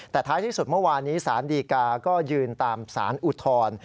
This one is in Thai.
แต่ท้ายที่สุดเมื่อวานนี้สารดีกาก็ยืนตามสารอุทธรณ์